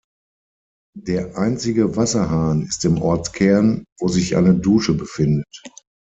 Der einzige Wasserhahn ist im Ortskern, wo sich eine Dusche befindet.